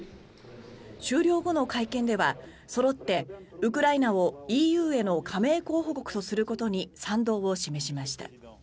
終了後の会見ではそろってウクライナをＥＵへの加盟候補国とすることに賛同を示しました。